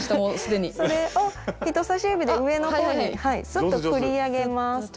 それを人さし指で上の方にすっと取り上げます。